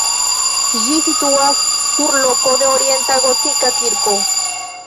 Ĝi situas sur loko de origina gotika kirko.